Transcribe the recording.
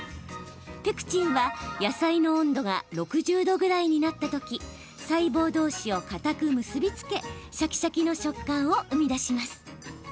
ペクチンは野菜の温度が６０度ぐらいになったとき細胞どうしをかたく結び付けシャキシャキの食感を生み出します。